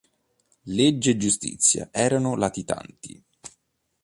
Legge e giustizia erano latitanti.